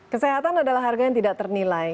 kesehatan adalah harga yang tidak ternilai